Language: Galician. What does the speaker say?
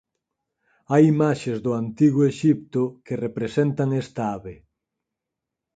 Hai imaxes do antigo Exipto que representan esta ave.